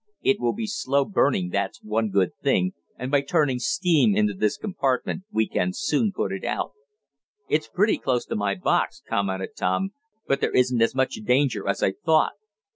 "It will be slow burning, that's one good thing, and by turning steam into this compartment we can soon put it out." "It's pretty close to my box," commented Tom, "but there isn't as much danger as I thought."